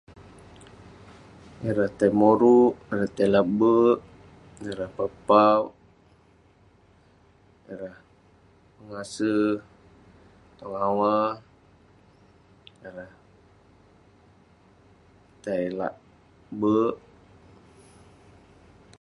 ireh tai moruk, ireh tai lak berk, ireh pepauwk..ireh mengase tong awa..ireh tai lak berk..